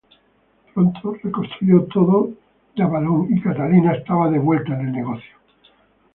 Pronto reconstruyó todo de Avalon, y Catalina estaba de vuelta en el negocio.